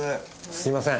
すみません。